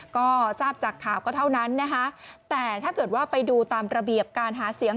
ก็ทราบจากข่าวก็เท่านั้นนะคะแต่ถ้าเกิดว่าไปดูตามระเบียบการหาเสียง